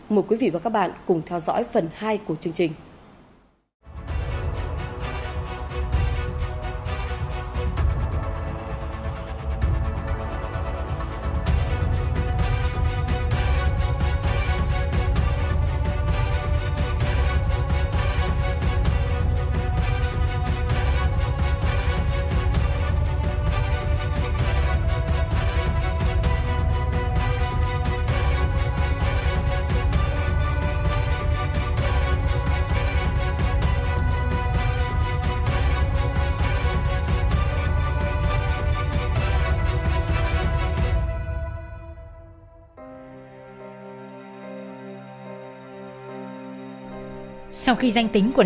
mời quý vị và các bạn cùng theo dõi phần hai của chương trình